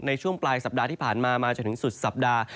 ในช่วงปลายสัปดาห์ที่ผ่านมามาจนถึงสุดสัปดาห์